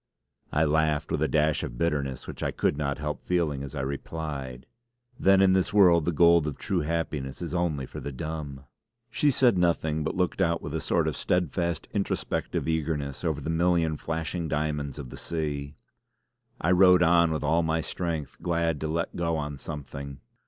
I laughed with a dash of bitterness which I could not help feeling as I replied: "Then in this world the gold of true happiness is only for the dumb!" she said nothing but looked out with a sort of steadfast introspective eagerness over the million flashing diamonds of the sea; I rowed on with all my strength, glad to let go on something.